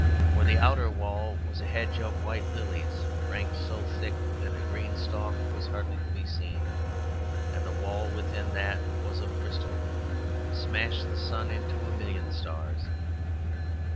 For the outer wall was a hedge of white lilies, ranked so thick that a green stalk was hardly to be seen; and the wall within that was of crystal, which smashed the sun into a million stars.